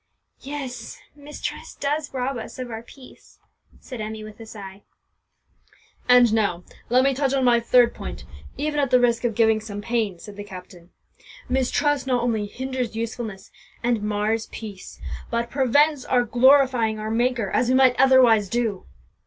"Yes, mistrust does rob us of our peace," said Emmie with a sigh. "And now, let me touch on my third point, even at the risk of giving some pain," said the captain. "Mistrust not only hinders usefulness, and mars peace, but prevents our glorifying our Maker as we might otherwise do.